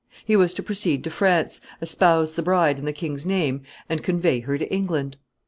He was to proceed to France, espouse the bride in the king's name, and convey her to England.